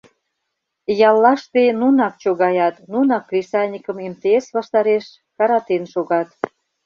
Яллаште нунак чогаят, нунак кресаньыкым МТС ваштареш таратен шогат.